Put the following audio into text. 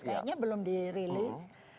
kayaknya belum dirilis